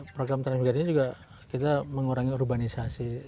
program transmigrasi juga kita mengurangi urbanisasi